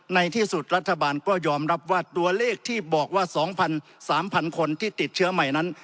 ในที่สุดรัฐบาลก็ยอมรับว่าตัวเลขที่บอกว่า๒๐๐๓๐๐คนที่ติดเชื้อใหม่นั้น